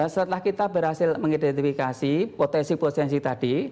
setelah kita berhasil mengidentifikasi potensi potensi tadi